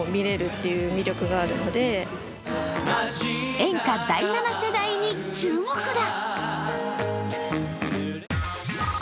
演歌第７世代に注目だ。